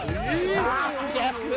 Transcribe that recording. ３００円。